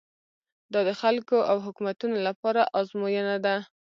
دا د خلکو او حکومتونو لپاره ازموینه ده.